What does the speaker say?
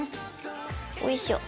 おいしょ。